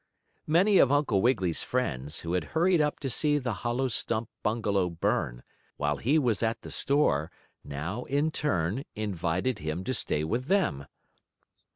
Many of Uncle Wiggily's friends, who had hurried up to see the hollow stump bungalow burn, while he was at the store, now, in turn, invited him to stay with them.